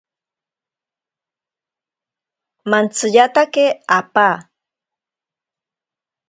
Mantsiyatake apaa.